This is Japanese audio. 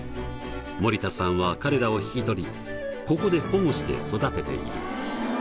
森田さんは彼らを引き取りここで保護して育てている。